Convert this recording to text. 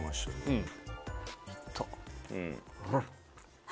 うん。